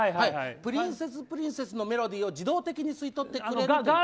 プリンセスプリンセスのメロディーを自動的に吸い取ってくれる。